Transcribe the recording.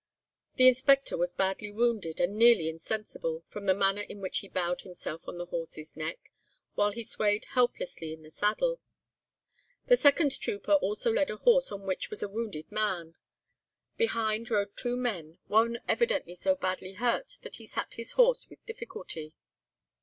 The inspector was badly wounded and nearly insensible, from the manner in which he bowed himself on the horse's neck, while he swayed helplessly in the saddle. The second trooper also led a horse on which was a wounded man. Behind rode two men, one evidently so badly hurt, that he sat his horse with difficulty.